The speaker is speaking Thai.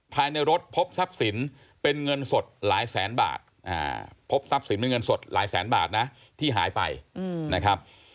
ภายในรถพบทรัพย์สินเป็นเงินสดหลายแสนบาทที่หายไปนะครับ